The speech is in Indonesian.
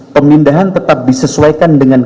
pemindahan tetap disesuaikan dengan